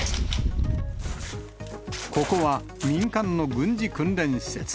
ここは民間の軍事訓練施設。